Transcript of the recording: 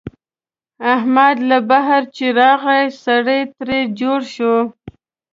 احمد له بهر چې راغی، سړی ترې جوړ شوی.